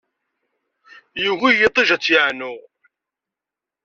Yugi yiṭij ad tt-yeɛnu.